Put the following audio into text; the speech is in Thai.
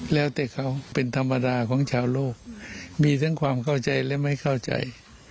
แล้วแต่เขาเป็นธรรมดาของชาวโลกมีทั้งความเข้าใจและไม่เข้าใจ